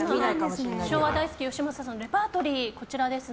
昭和大好きよしまささんレパートリー、こちらです。